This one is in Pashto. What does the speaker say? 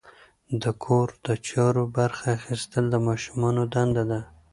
د کور د چارو برخه اخیستل د ماشومانو دنده ده.